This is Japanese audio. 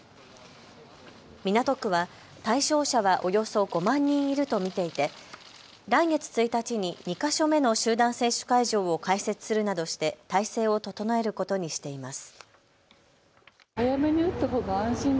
港区は対象者はおよそ５万人いると見ていて、来月１日に２か所目の集団接種会場を開設するなどして態勢を整えることにしています。